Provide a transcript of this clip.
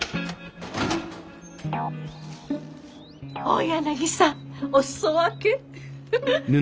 大柳さんお裾分け。